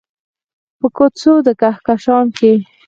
په کوڅو د کهکشان کې